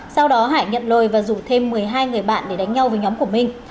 sau đó hải nhận lời và rủ thêm một mươi hai người bạn để đánh nhau với nhóm của minh